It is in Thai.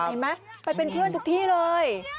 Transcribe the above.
เห็นไหมไปเป็นเพื่อนทุกที่เลย